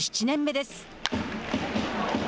７年目です。